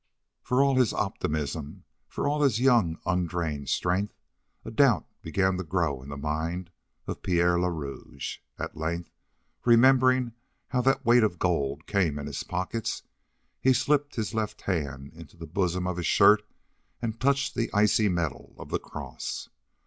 For all his optimism, for all his young, undrained strength, a doubt began to grow in the mind of Pierre le Rouge. At length, remembering how that weight of gold came in his pockets, he slipped his left hand into the bosom of his shirt and touched the icy metal of the cross.